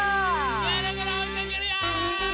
ぐるぐるおいかけるよ！